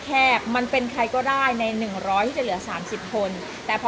แคบมันเป็นใครก็ได้ในหนึ่งร้อยที่จะเหลือสามสิบคนแต่พอ